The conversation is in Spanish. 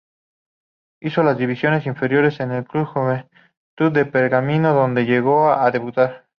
Hizo las divisiones inferiores en el club Juventud de Pergamino donde llegó a debutar.